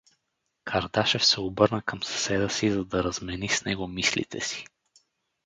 Кардашев се обърна към съседа си, за да размени с него мислите си.